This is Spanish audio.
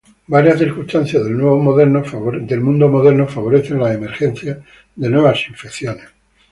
Varias circunstancias del mundo moderno favorecen la emergencia de nuevas infecciones.